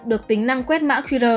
được tính năng quét mã qr